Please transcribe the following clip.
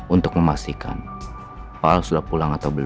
untuk memastikan pak al sudah pulang atau belum